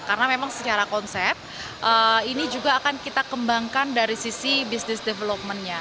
karena memang secara konsep ini juga akan kita kembangkan dari sisi bisnis developmentnya